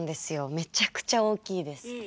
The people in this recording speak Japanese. めちゃくちゃ大きいです。